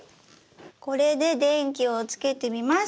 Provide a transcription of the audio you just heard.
これで電気をつけてみます！